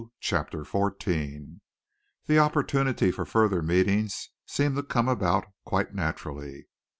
CHAPTER XIV The opportunity for further meetings seemed to come about quite naturally.